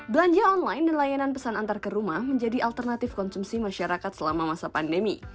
belanja online dan layanan pesan antar ke rumah menjadi alternatif konsumsi masyarakat selama masa pandemi